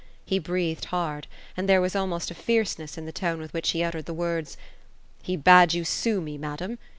He breathed hard, and there was almost a fierceness in the tone with which he uttered the words, '* He bade you sue me, madam.